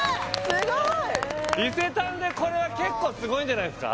すごい！伊勢丹でこれは結構すごいんじゃないですか？